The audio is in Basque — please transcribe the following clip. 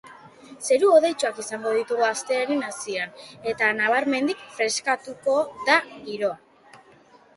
Zeru hodeitsuak izango ditugu astearen hasieran eta nabarmenki freskatuko da giroa.